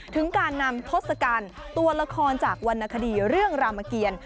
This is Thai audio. ถึงการนำทศกัณฐ์ตัวละครจากวรรณคดีเรื่องรามเกียร